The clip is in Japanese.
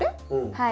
はい。